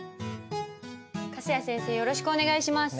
よろしくお願いします。